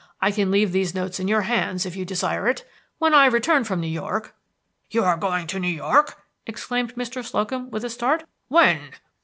I can leave these notes in your hands, if you desire it. When I return from New York" "You are going to New York!" exclaimed Mr. Slocum, with a start. "When?"